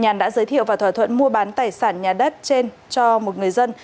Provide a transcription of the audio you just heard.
nhàn đã giới thiệu và thỏa thuận mua bán tài sản nhà đất trên cho một người dân